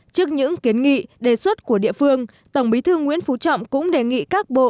trước những kiến nghị đề xuất của địa phương tổng bí thư nguyễn phú trọng cũng đề nghị các bộ